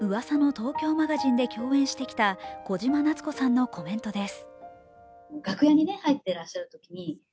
東京マガジン」で共演してきた小島奈津子さんのコメントです。